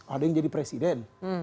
ada yang jadi presiden